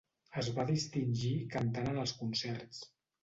Es va distingir cantant en els concerts.